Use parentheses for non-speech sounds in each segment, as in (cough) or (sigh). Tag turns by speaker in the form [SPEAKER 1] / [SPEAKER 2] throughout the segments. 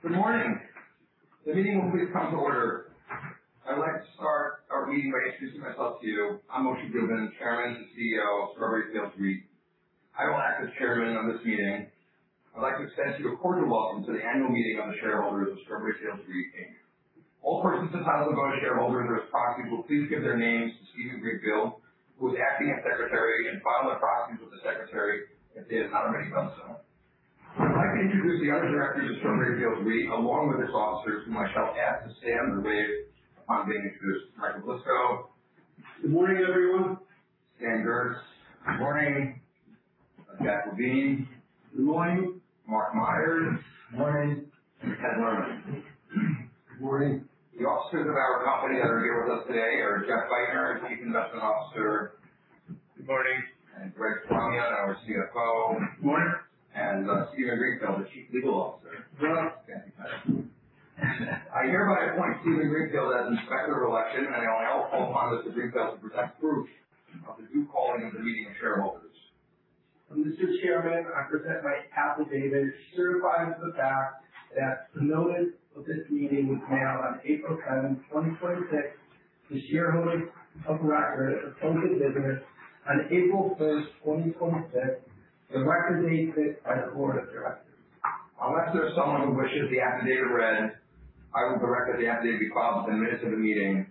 [SPEAKER 1] Good morning. The meeting will please come to order. I'd like to start our meeting by introducing myself to you. I'm Moishe Gubin, chairman and CEO of Strawberry Fields REIT. I will act as chairman of this meeting. I'd like to extend to you a cordial welcome to the annual meeting of the shareholders of Strawberry Fields REIT, Inc. All persons entitled to vote as shareholders or as proxies will please give their names to Steven Greenfield, who is acting as secretary and file their proxies with the secretary if they have not already done so. I'd like to introduce the other directors of Strawberry Fields REIT, along with its officers, whom I shall ask to stand and wave upon being introduced. Michael Blisko. Good morning, everyone. Stanford Gertz.
[SPEAKER 2] Good morning.
[SPEAKER 1] Jack Levine. Good morning. Mark Meyers.
[SPEAKER 3] Good morning.
[SPEAKER 1] Ted Lerman.
[SPEAKER 4] Good morning.
[SPEAKER 1] The officers of our company that are here with us today are Jeffrey Bajtner, Chief Investment Officer.
[SPEAKER 5] Good morning.
[SPEAKER 1] Greg Flamion, our CFO. Good morning. Steven Greenfield, the Chief Legal Officer.
[SPEAKER 6] Hello.
[SPEAKER 1] Standing by. I hereby appoint Steven Greenfield as Inspector of Election. I now call upon Mr. Greenfield to present proof of the due calling of the meeting of shareholders.
[SPEAKER 6] Mr. Chairman, I present my affidavit certifying the fact that the notice of this meeting was mailed on April 7, 2026, to shareholders of record as of the close of business on April 1, 2026, the record date set by the Board of Directors.
[SPEAKER 1] Unless there's someone who wishes the affidavit read, I will direct that the affidavit be filed with the minutes of the meeting.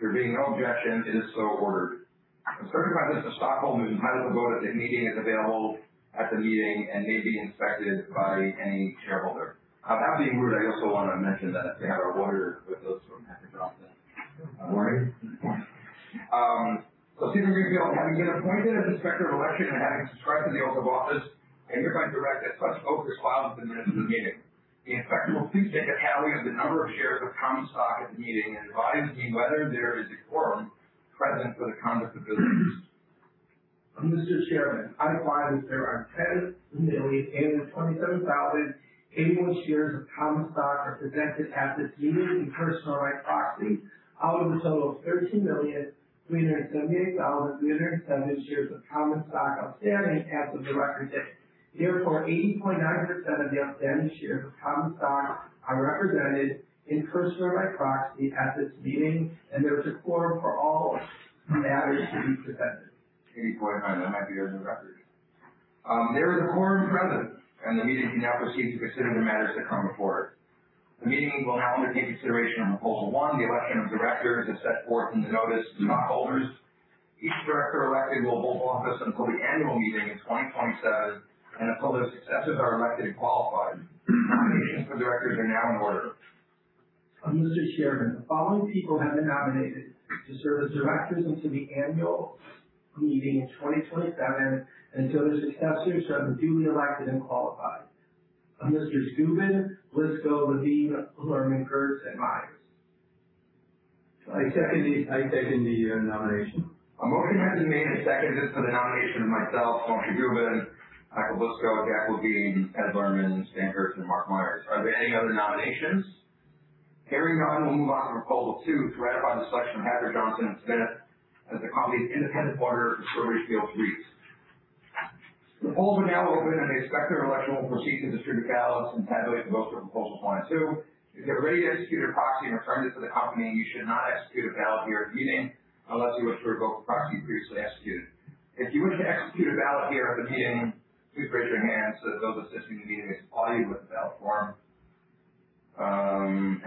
[SPEAKER 1] There being no objection, it is so ordered. A certified list of stockholders entitled to vote at the meeting is available at the meeting and may be inspected by any shareholder. Without being rude, I also want to mention that we have our auditors with us from Hacker, Johnson & Smith PA. Good morning. Good morning. Steven Greenfield, having been appointed as Inspector of Election and having subscribed to the oath of office, I hereby direct that such vote be filed with the minutes of the meeting. The Inspector will please take a tally of the number of shares of common stock at the meeting and advise the meeting whether there is a quorum present for the conduct of business.
[SPEAKER 6] Mr. Chairman, I advise that there are 10,827,081 shares of common stock are presented at this meeting in person or by proxy out of a total of 13,378,370 shares of common stock outstanding as of the record date. Therefore, 80.9% of the outstanding shares of common stock are represented in person or by proxy at this meeting, and there is a quorum for all matters to be presented.
[SPEAKER 1] 80.9. That might be good for the record. There is a quorum present, the meeting can now proceed to consider the matters that come before it. The meeting will now undertake consideration on proposal one, the election of directors as set forth in the notice to stockholders. Each director elected will hold office until the annual meeting in 2027 and until their successors are elected and qualified. Nominations for directors are now in order.
[SPEAKER 6] Mr. Chairman, the following people have been nominated to serve as directors until the annual meeting in 2027 and until their successors have been duly elected and qualified. Mr. Gubin, Blisko, Levine, Lerman, Gertz, and Meyers.
[SPEAKER 1] I second the nomination. A motion has been made and seconded for the nomination of myself, Moishe Gubin, Michael Blisko, Jack Levine, Ted Lerman, Stan Gertz, and Mark Meyers. Are there any other nominations? Hearing none, we'll move on to proposal two to ratify the selection of Hacker, Johnson & Smith PA as the company's independent auditor of Strawberry Fields REIT. The polls are now open, and the inspector of election will proceed to distribute ballots and tabulate the votes for proposals one and two. If you have already executed a proxy and returned it to the company, you should not execute a ballot here at the meeting unless you wish to revoke the proxy previously executed. If you wish to execute a ballot here at the meeting, please raise your hand so that those assisting the meeting may supply you with a ballot form.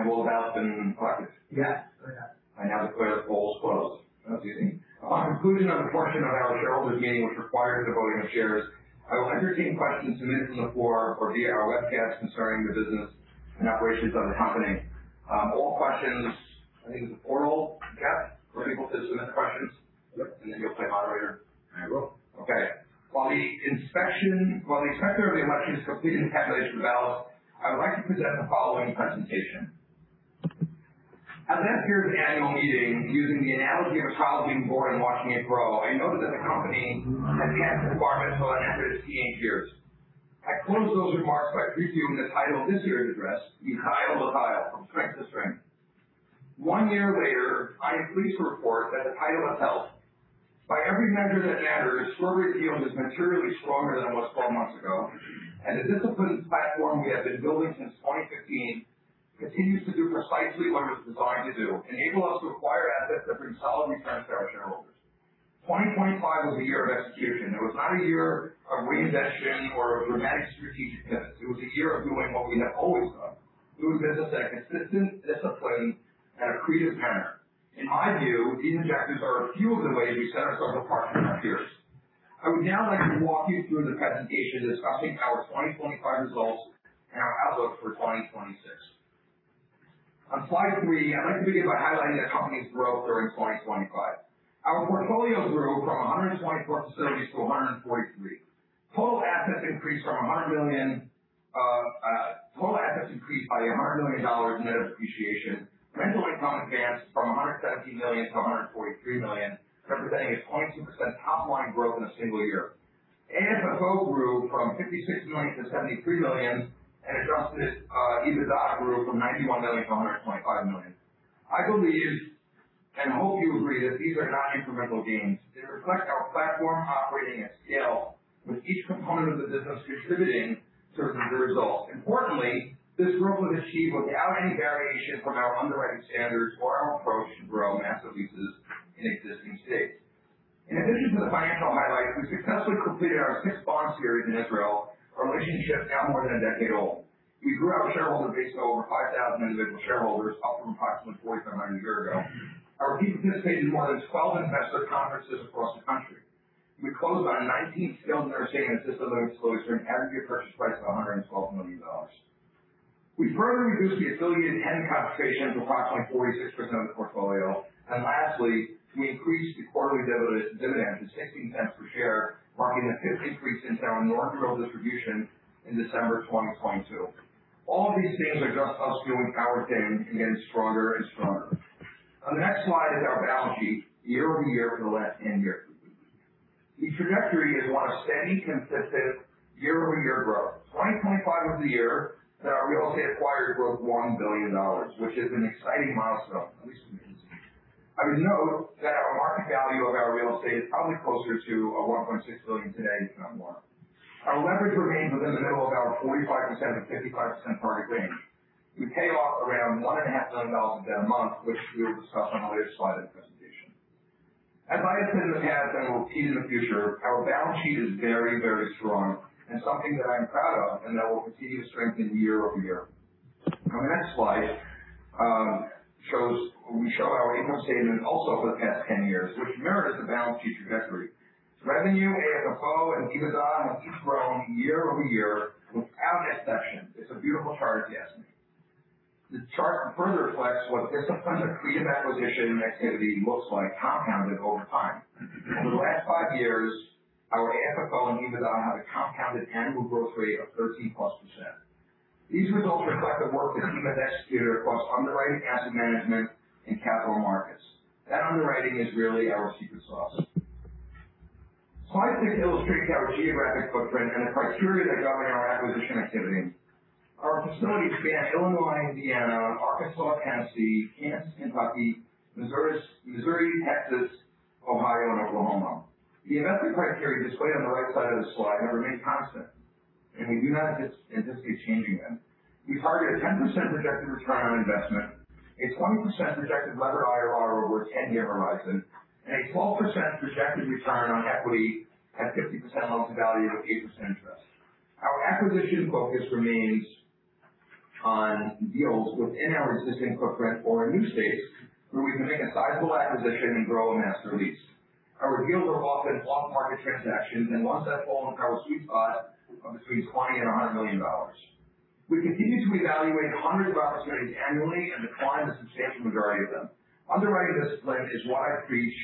[SPEAKER 1] Will the ballots been collected?
[SPEAKER 6] Yes. They have.
[SPEAKER 1] I now declare the polls closed. That was easy. On conclusion of the portion of our shareholders' meeting which required the voting of shares, I will entertain questions submitted from the floor or via our webcast concerning the business and operations of the company. All questions, I think there's a portal, yep, for people to submit questions. Yep. Then you'll play moderator. I will. Okay. While the inspector of election is completing tabulation of the ballots, I would like to present the following presentation. At last year's annual meeting, using the analogy of a child being born and watching it grow, I noted that the company had passed the bar but had not entered its teenage years. I closed those remarks by previewing the title of this year's address, "From Ticker to Tile: From Strength to Strength." One year later, I am pleased to report that the title has held. By every measure that matters, Strawberry Fields is materially stronger than it was 12 months ago. The disciplined platform we have been building since 2015 continues to do precisely what it was designed to do, enable us to acquire assets that bring solid returns to our shareholders. 2025 was a year of execution. It was not a year of reinvestment or dramatic strategic pivots. It was a year of doing what we have always done. We do business in a consistent, disciplined, and accretive manner. In my view, these objectives are a few of the ways we set ourselves apart from our peers. I would now like to walk you through the presentation discussing our 2025 results and our outlook for 2026. On slide three, I'd like to begin by highlighting the company's growth during 2025. Our portfolio grew from 124 facilities to 143. Total assets increased by $100 million net of depreciation. Rental income advanced from $117 million to $143 million, representing a 22% top-line growth in a single year. AFFO grew from $56 million to $73 million. Adjusted EBITDA grew from $91 million to $125 million. Hope you agree that these are not incremental gains. They reflect our platform operating at scale, with each component of the business contributing to the results. Importantly, this growth was achieved without any variation from our underwriting standards or our approach to grow master leases in existing states. In addition to the financial highlights, we successfully completed our fifth bond series in Israel, a relationship now more than a decade old. We grew our shareholder base to over 5,000 individual shareholders, up from approximately 4,700 a year ago. Our people participated in more than 12 investor conferences across the country. We closed on a 19 skilled nursing-assisted living disclosure, an aggregate purchase price of $112 million. We further reduced the affiliated tenant concentration to approximately 46% of the portfolio. Lastly, we increased the quarterly dividend to $0.16 per share, marking the fifth increase since our inaugural distribution in December 2022. All of these things are just us doing our thing and getting stronger and stronger. On the next slide is our balance sheet year-over-year for the last 10 years. The trajectory is one of steady, consistent year-over-year growth. 2025 was the year that our real estate acquired growth $1 billion, which is an exciting milestone, at least for me. I would note that our market value of our real estate is probably closer to $1.6 billion today, if not more. Our leverage remains within the middle of our 45%-55% target range. We pay off around $1.5 million a month, which we will discuss on a later slide of the presentation. As I have said in the past, and will repeat in the future, our balance sheet is very, very strong and something that I'm proud of and that will continue to strengthen year-over-year. On the next slide, we show our income statement also for the past 10 years, which mirrors the balance sheet trajectory. Revenue, AFFO, and EBITDA have each grown year-over-year without exception. It's a beautiful chart if you ask me. The chart further reflects what disciplined accretive acquisition activity looks like compounded over time. Over the last five years, our AFFO and EBITDA have a compounded annual growth rate of 13+%. These results reflect the work the team has executed across underwriting, asset management, and capital markets. That underwriting is really our secret sauce. Slide six illustrates our geographic footprint and the criteria that govern our acquisition activity. Our facilities span Illinois, Indiana, Arkansas, Tennessee, Kansas, Kentucky, Missouri, Texas, Ohio, and Oklahoma. The investment criteria displayed on the right side of the slide have remained constant, and we do not anticipate changing them. We target a 10% projected return on investment, a 20% projected levered IRR over a 10-year horizon, and a 12% projected return on equity at 50% loan to value with 8% interest. Our acquisition focus remains on deals within our existing footprint or in new states where we can make a sizable acquisition and grow a master lease. Our deals are often off-market transactions and ones that fall in our sweet spot of between $20 million and $100 million. We continue to evaluate hundreds of opportunities annually and decline the substantial majority of them. Underwriting discipline is what I preach,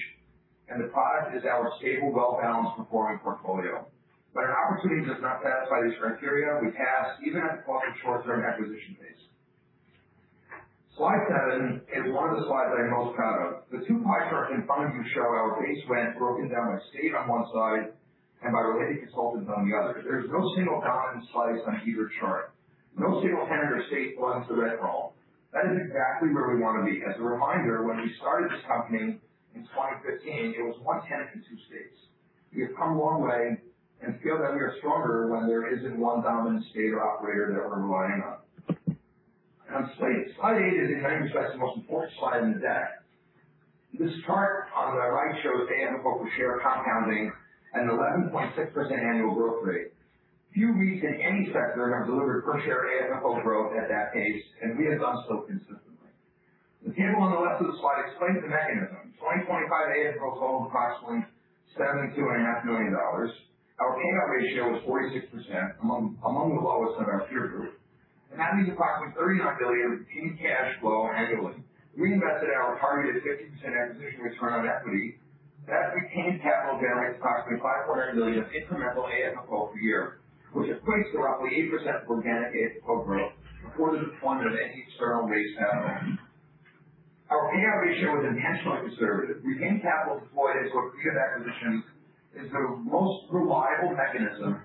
[SPEAKER 1] the product is our stable, well-balanced performing portfolio. When an opportunity does not satisfy these criteria, we pass even at the cost of short-term acquisition pace. Slide seven is one of the slides I'm most proud of. The two pie charts in front of you show our base rent broken down by state on one side and by related consultants on the other. There's no single dominant slice on either chart. No single tenant or state runs the rental. That is exactly where we want to be. As a reminder, when we started this company in 2015, it was one tenant in two states. We have come a long way and feel that we are stronger when there isn't one dominant state or operator that we're relying on. On slide eight is, in many respects, the most important slide in the deck. This chart on the right shows AFFO per share compounding at an 11.6% annual growth rate. Few REITs in any sector have delivered per share AFFO growth at that pace, and we have done so consistently. The table on the left of the slide explains the mechanism. 2025 AFFO total was approximately $72.5 million. Our payout ratio was 46%, among the lowest of our peer group. That means approximately $39 million in free cash flow annually. We invested in our targeted 15% acquisition return on equity. That retained capital generates approximately (audio distortion) million of incremental AFFO per year, which equates to roughly 8% of organic AFFO growth before the deployment of any external raised capital. Our payout ratio is intentionally conservative. Retained capital deployed toward accretive acquisitions is the most reliable mechanism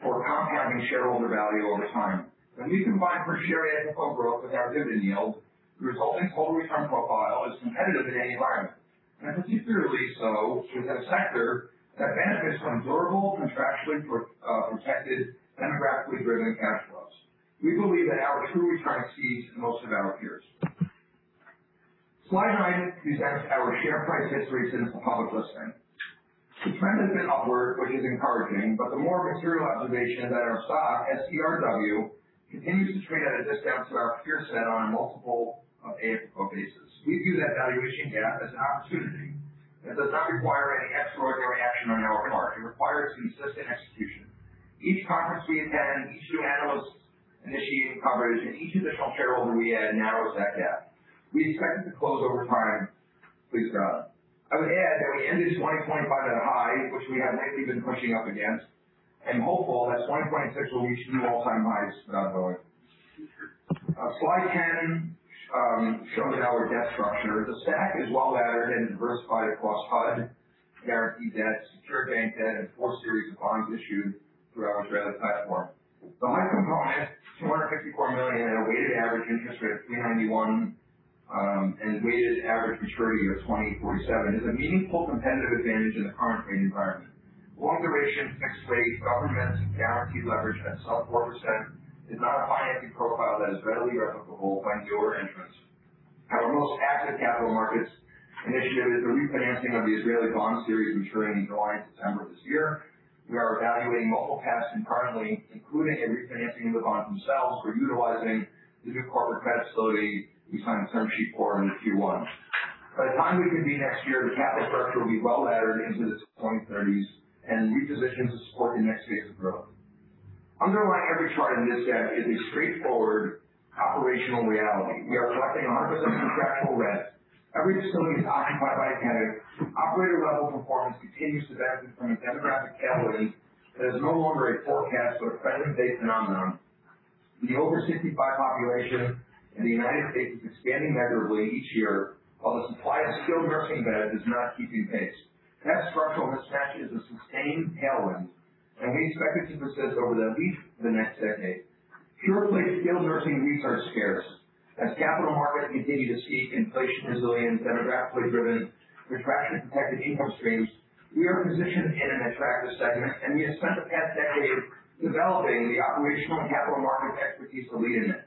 [SPEAKER 1] for compounding shareholder value over time. When we combine per share AFFO growth with our dividend yield, the resulting total return profile is competitive in any environment, and particularly so within a sector that benefits from durable, contractually protected, demographically driven cash flows. We believe that our true return exceeds most of our peers. Slide nine presents our share price history since the public listing. The trend has been upward, which is encouraging, but the more material observation is that our stock, STRW, continues to trade at a discount to our peer set on a multiple AFFO basis. We view that valuation gap as an opportunity that does not require any extraordinary action on our part. It requires consistent execution. Each conference we attend, each new analyst initiating coverage, and each additional shareholder we add narrows that gap. We expect it to close over time. Please God. I would add that we ended 2025 at a high, which we have lately been pushing up against, and hopeful that 2026 will reach new all-time highs without going. Slide 10 shows our debt structure. The stack is well-laddered and diversified across HUD Guaranteed debt, secured bank debt, and four series of bonds issued through our Israeli platform. The high component, $264 million at a weighted average interest rate of 3.91% and a weighted average maturity of 2047, is a meaningful competitive advantage in the current rate environment. Long duration, fixed rate, government guaranteed leverage at sub 4% is not a financing profile that is readily replicable by newer entrants. Our most active capital markets initiative is the refinancing of the Israeli bond series maturing in July and December of this year. We are evaluating multiple paths concurrently, including a refinancing of the bonds themselves. We're utilizing the new corporate credit facility we signed term sheet for in Q1. By the time we convene next year, the capital structure will be well laddered into the 2030s and repositioned to support the next phase of growth. Underlying every chart in this deck is a straightforward operational reality. We are collecting hundreds of contractual rents. Every facility is occupied by a tenant. Operator level performance continues to benefit from a demographic tailwind that is no longer a forecast but a trending base phenomenon. The over 65 population in the U.S. is expanding measurably each year, while the supply of skilled nursing beds is not keeping pace. That structural mismatch is a sustained tailwind. We expect it to persist over at least the next decade. Pure-play skilled nursing REITs are scarce. As capital markets continue to seek inflation resilience, demographically driven, retraction protected income streams, we are positioned in an attractive segment. We have spent the past decade developing the operational and capital market expertise to lead in it.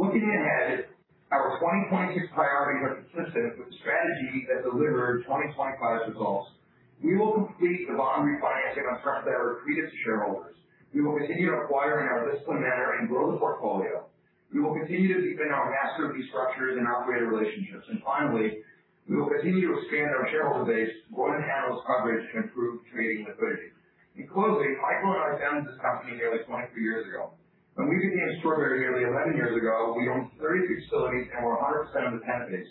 [SPEAKER 1] Looking ahead, our 2026 priorities are consistent with the strategy that delivered 2025's results. We will complete the bond refinancing on terms that are accretive to shareholders. We will continue to acquire in our disciplined manner and grow the portfolio. We will continue to deepen our master lease structures and operator relationships. Finally, we will continue to expand our shareholder base, more than handle coverage, and improve trading liquidity. In closing, Michael and I founded this company nearly 23 years ago. When we became Strawberry nearly 11 years ago, we owned 33 facilities and 100% of the tenants.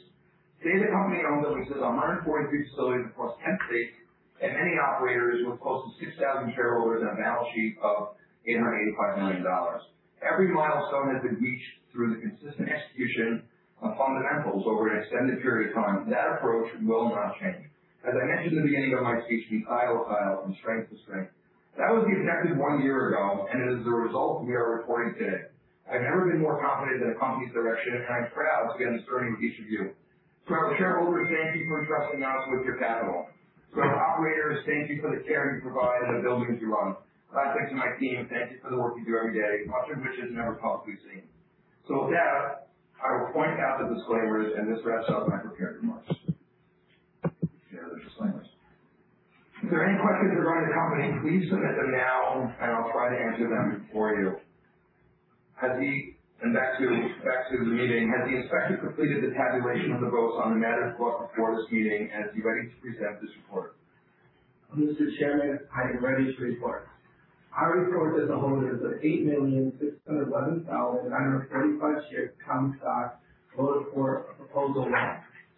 [SPEAKER 1] Today, the company owns and leases 143 facilities across 10 states and many operators, with close to 6,000 shareholders and a balance sheet of $885 million. Every milestone has been reached through the consistent execution of fundamentals over an extended period of time. That approach will not change. As I mentioned at the beginning of my speech, we titled from strength to strength. That was the objective one year ago, and it is the result we are reporting today. I've never been more confident in the company's direction, and I'm proud to be on this journey with each of you. To our shareholders, thank you for entrusting us with your capital. To our operators, thank you for the care you provide and the buildings you run. Lastly, to my team, thank you for the work you do every day, much of which is never publicly seen. With that, I will point out the disclaimers, and this wraps up my prepared remarks. Share the disclaimers. If there are any questions regarding the company, please submit them now, and I'll try to answer them for you. Back to you, back to the meeting. Has the inspector completed the tabulation of the votes on the matters put before this meeting, and is he ready to present this report?
[SPEAKER 6] Mr. Chairman, I am ready to report. I report that the holders of 8,611,945 shares common stock voted for proposal 1.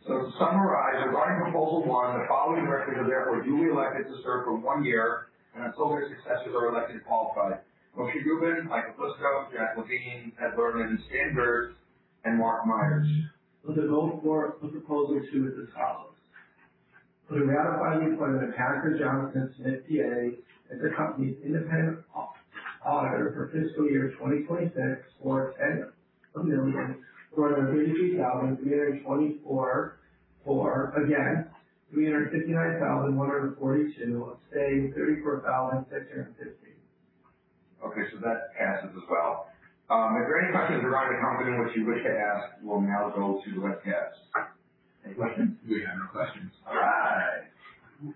[SPEAKER 1] To summarize, regarding proposal 1, the following directors are therefore duly elected to serve for one year and until their successors are elected and qualified. Moishe Gubin, Michael Blisko, Jack Levine, Ted Lerman, Stan Gertz and Mark Meyers.
[SPEAKER 6] The vote for proposal 2 is as follows. To ratify the employment of Hacker, Johnson & Smith PA as the company's independent auditor for fiscal year 2026 for 10,453,324 or again 359,142 staying 34,650.
[SPEAKER 1] Okay, that passes as well. If there are any questions regarding the company which you wish to ask, we'll now go to the webcast.
[SPEAKER 6] Any questions?
[SPEAKER 1] We have no questions. All right.